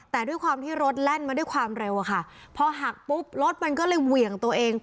แต่ด้วยความที่รถแล่นมาด้วยความเร็วอะค่ะพอหักปุ๊บรถมันก็เลยเหวี่ยงตัวเอง